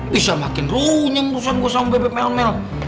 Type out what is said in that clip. bisa makin runyam urusan gue sama bebe melmel